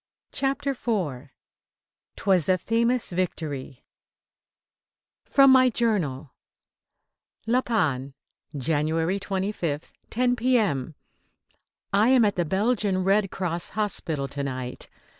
CHAPTER IV "'TWAS A FAMOUS VICTORY" FROM MY JOURNAL: LA PANNE, January 25th, 10 P.M. I am at the Belgian Red Cross hospital to night.